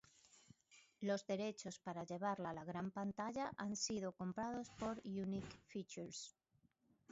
Los derechos para llevarla a la gran pantalla han sido comprados por Unique Features.